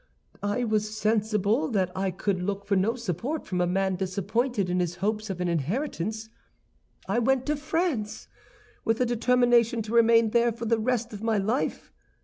I was sensible that I could look for no support from a man disappointed in his hopes of an inheritance. I went to France, with a determination to remain there for the rest of my life.